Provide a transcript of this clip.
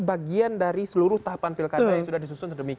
bagian dari seluruh tahapan pilkada yang sudah disusun sedemikian